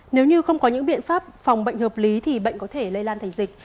nếu như không có những biện pháp phòng bệnh hợp lý thì bệnh có thể lây lan thành dịch